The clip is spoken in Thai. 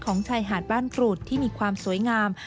ชายหาดบ้านกรูดที่มีความสวยงาม